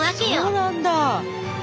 そうなんだ！